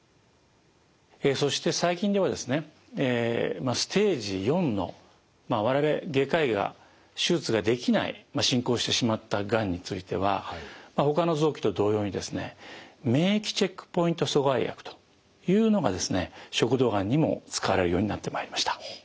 そして最近ではですねステージⅣのまあ我々外科医が手術ができない進行してしまったがんについてはほかの臓器と同様にですね免疫チェックポイント阻害薬というのが食道がんにも使われるようになってまいりました。